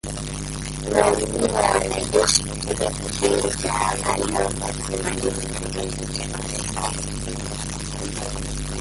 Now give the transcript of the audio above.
Mamia ya wanajeshi kutoka kitengo cha anga namba themanini na mbili cha Marekani.